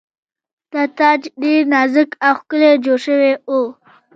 دا تاج ډیر نازک او ښکلی جوړ شوی و